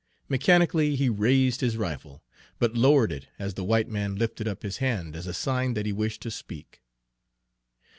Mechanically he raised his rifle, but lowered it as the white man lifted up his hand as a sign that he wished to speak.